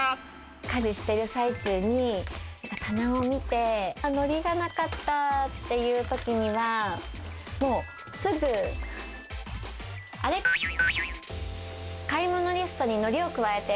家事してる最中に、棚を見て、あっ、のりがなかったっていうときには、もうすぐ、アレクサ×××、買い物リストにのりを加えて。